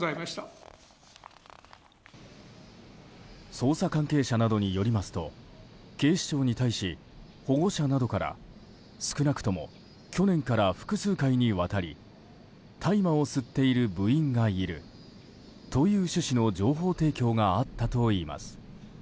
捜査関係者などによりますと警視庁に対し保護者などから、少なくとも去年から複数回にわたり大麻を吸っている部員がいるという趣旨の情報提供があったといいます。